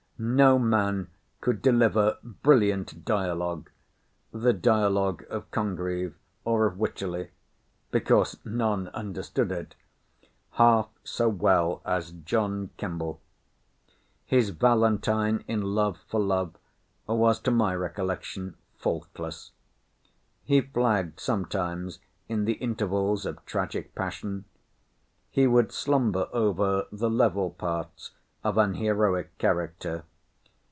No man could deliver brilliant dialogue—the dialogue of Congreve or of Wycherley—because none understood it—half so well as John Kemble. His Valentine, in Love for Love, was, to my recollection, faultless. He flagged sometimes in the intervals of tragic passion. He would slumber over the level parts of an heroic character.